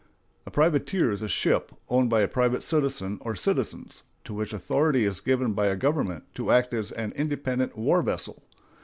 A privateer is a ship, owned by a private citizen or citizens, to which authority is given by a government to act as an independent war vessel.